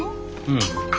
うん。